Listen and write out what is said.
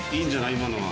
今のは。